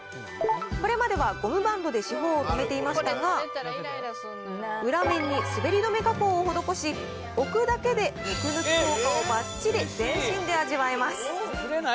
これまではゴムバンドで四方をとめていましたが、裏面に滑り止め加工を施し、置くだけでぬくぬく効果をばっちり全身で味わえます。